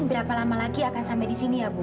berapa lama lagi akan sampai di sini ya bu